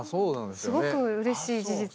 すごくうれしい事実。